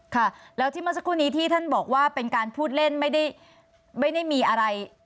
ค่ะแล้วที่เมื่อสักครู่นี้ที่ท่านบอกว่าเป็นการพูดเล่นไม่ได้มีอะไร